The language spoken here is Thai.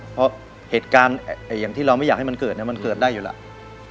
เพราะเหตุการณ์อย่างที่เราไม่อยากให้มันเกิดมันเกิดได้อยู่แล้ว